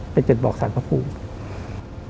ไปเจ็ดบอกสรรพภูมิ